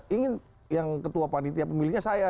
ingin yang ketua panitia pemilihnya saya